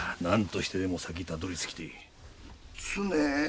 何としてでも先たどりつきてえ。